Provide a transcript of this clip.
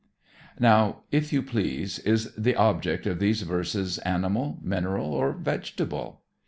Now, if you please, is the object of these verses animal, mineral or vegetable?